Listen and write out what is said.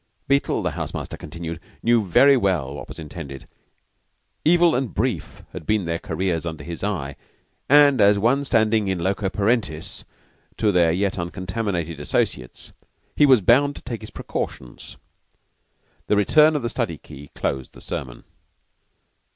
Beetle, the house master continued, knew very well what was intended. Evil and brief had been their careers under his eye; and as one standing in loco parentis to their yet uncontaminated associates, he was bound to take his precautions. The return of the study key closed the sermon.